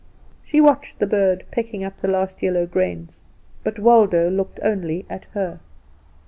She watched the bird pecking up the last yellow grains; but Waldo looked only at her.